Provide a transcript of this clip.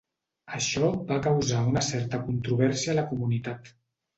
Això va causar una certa controvèrsia a la comunitat.